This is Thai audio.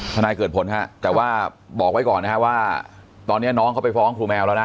นายเกิดผลฮะแต่ว่าบอกไว้ก่อนนะฮะว่าตอนนี้น้องเขาไปฟ้องครูแมวแล้วนะ